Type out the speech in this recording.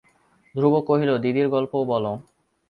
ধ্রুব কহিল, দিদির গল্প বলো।